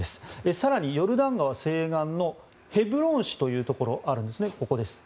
更にヨルダン川西岸のヘブロン市というところがあるんですね。